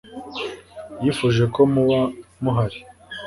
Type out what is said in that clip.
yifuje ko muba muhari